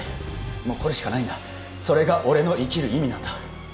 もうこれしかないんだそれが俺の生きる意味なんだ